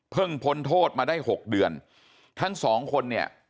พ้นโทษมาได้หกเดือนทั้งสองคนเนี่ย